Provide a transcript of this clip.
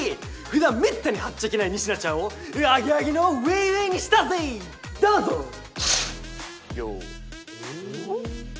ふだんめったにはっちゃけない仁科ちゃんをアゲアゲのウェイウェイにしたぜどうぞヨーおっ？